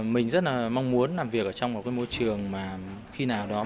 mình rất là mong muốn làm việc ở trong một cái môi trường mà khi nào đó